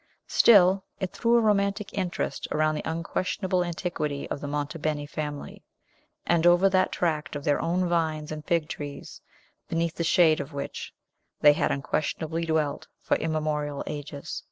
Still, it threw a romantic interest around the unquestionable antiquity of the Monte Beni family, and over that tract of their own vines and fig trees beneath the shade of which they had unquestionably dwelt for immemorial ages.